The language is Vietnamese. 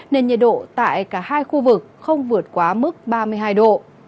nên nhiệt độ tại cả hai khu vực không vượt quá mức ba mươi hai độ